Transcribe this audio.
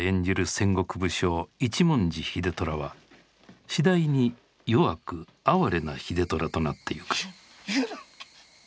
戦国武将一文字秀虎は次第に弱く哀れな秀虎となってゆく。